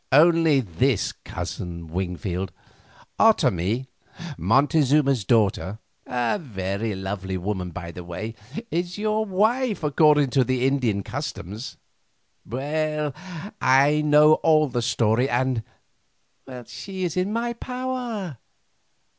Only this, Cousin Wingfield; Otomie, Montezuma's daughter, a very lovely woman by the way, is your wife according to the Indian customs. Well, I know all the story and—she is in my power.